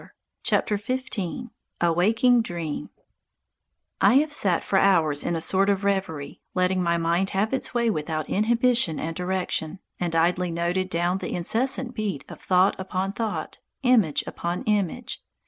A WAKING DREAM XV A WAKING DREAM I HAVE sat for hours in a sort of reverie, letting my mind have its way without inhibition and direction, and idly noted down the incessant beat of thought upon thought, image upon image.